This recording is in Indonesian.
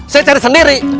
saya cari sendiri